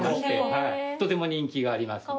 とても人気がありますね。